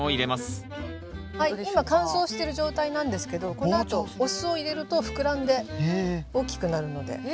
今乾燥してる状態なんですけどこのあとお酢を入れると膨らんで大きくなるので。